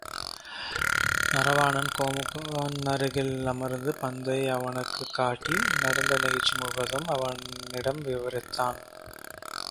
நரவாணன் கோமுகனுக்கருகில் அமர்ந்து பந்தை, அவனுக்குக் காட்டி நடந்த நிகழ்ச்சி முழுவதையும் அவனிடம் விவரித்தான்.